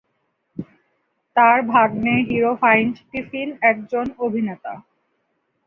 তার ভাগ্নে Hero Fiennes Tiffin একজন অভিনেতা।